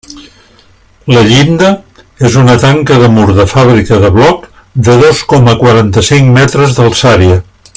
La llinda és una tanca de mur de fàbrica de bloc de dos coma quaranta-cinc metres d'alçària.